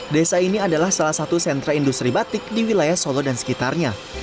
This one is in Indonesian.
desa ini adalah salah satu sentra industri batik di wilayah solo dan sekitarnya